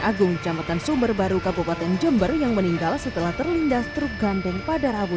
agung camatan sumber baru kabupaten jember yang meninggal setelah terlindas truk gandeng pada rabu